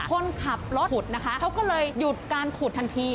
คนขับรถขุดนะคะเขาก็เลยหยุดการขุดทันที